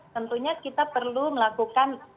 tentunya kita perlu melakukan